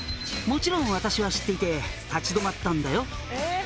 「もちろん私は知っていて立ち止まったんだよ」